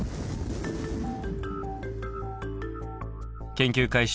研究開始